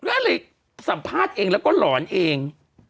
ก็เลยสัมภาษณ์เองแล้วก็หลอนเอง